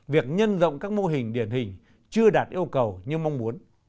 việc nhân rộng các mô hình điển hình chưa đạt yêu cầu như mong muốn